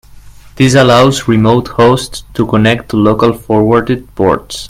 This allows remote hosts to connect to local forwarded ports.